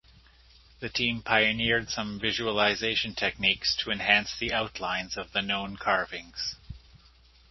The team pioneered some visualisation techniques to enhance the outlines of the known carvings.